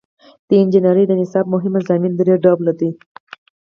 د انجنیری د نصاب مهم مضامین درې ډوله دي.